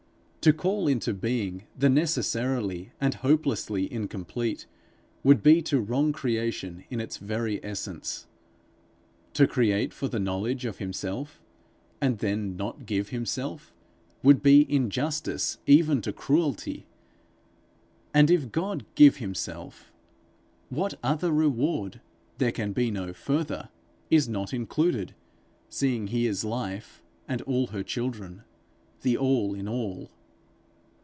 To call into being the necessarily and hopelessly incomplete, would be to wrong creation in its very essence. To create for the knowledge of himself, and then not give himself, would be injustice even to cruelty; and if God give himself, what other reward there can be no further is not included, seeing he is Life and all her children the All in all?